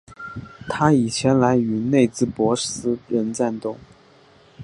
他已前来与内兹珀斯人战斗。